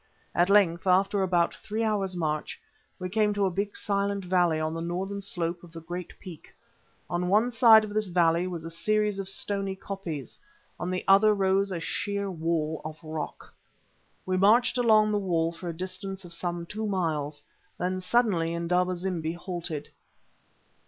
At length, after about three hours' march, we came to a big silent valley on the northern slope of the great peak. On one side of this valley was a series of stony koppies, on the other rose a sheer wall of rock. We marched along the wall for a distance of some two miles. Then suddenly Indaba zimbi halted.